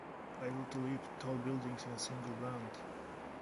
Able to leap tall buildings in a single bound!